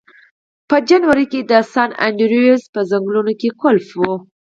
په جنوري کې د سن انډریوز په ځنګلونو کې ګلف و